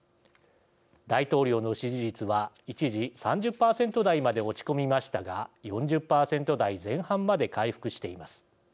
大統領の支持率は、一時３０％台まで落ち込みましたが４０％台前半まで回復しています。